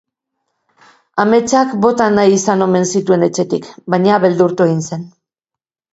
Ametsak bota nahi izan omen zituen etxetik, baina beldurtu egin zen.